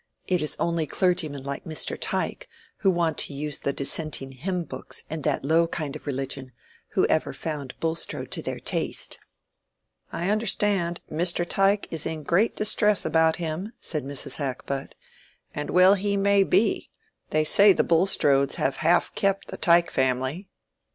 It is only clergymen like Mr. Tyke, who want to use Dissenting hymn books and that low kind of religion, who ever found Bulstrode to their taste." "I understand, Mr. Tyke is in great distress about him," said Mrs. Hackbutt. "And well he may be: they say the Bulstrodes have half kept the Tyke family."